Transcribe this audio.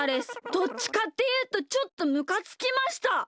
どっちかっていうとちょっとむかつきました。ですよね。